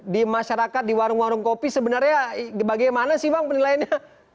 di masyarakat di warung warung kopi sebenarnya bagaimana sih bang penilaiannya